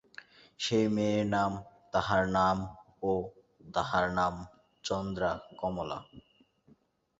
সেই মেয়ের নাম–তাহার নাম–ওঃ, তাহার নাম চন্দ্রা- কমলা।